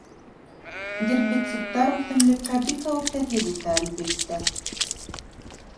Гербицидтар үҫемлеккә бик ауыр тәьҫир итә, әлбиттә.